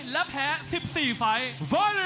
และแพ้๑๔ฝ่าย